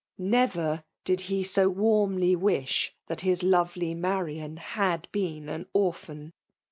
Never did he so warmly wish that his lovely Marian had been an orphan